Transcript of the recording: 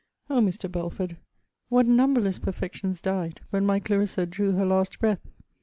O Mr. Belford! what numberless perfections died, when my Clarissa drew her last breath!